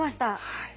はい。